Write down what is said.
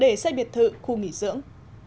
để xây biệt thự khu nghỉ dưỡng